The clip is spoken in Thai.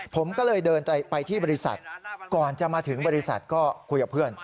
ผมก็เลยเดินไปที่บริษัทก่อนจะมาถึงบริษัทก็คุยกับเพื่อน